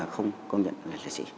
không công nhận là liệt sĩ